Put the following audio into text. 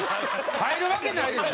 入るわけないでしょ！